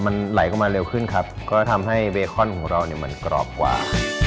มันไหลออกมาเร็วขึ้นครับก็ทำให้เบคอนของเราเนี่ยมันกรอบกว่า